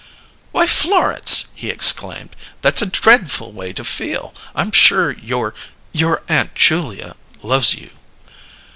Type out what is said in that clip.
"Why, Florence!" he exclaimed. "That's a dreadful way to feel. I'm sure your your Aunt Julia loves you."